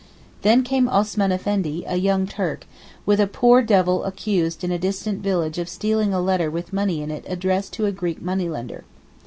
Then came Osman Effendi, a young Turk, with a poor devil accused in a distant village of stealing a letter with money in it addressed to a Greek money lender.